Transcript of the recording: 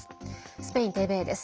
スペインＴＶＥです。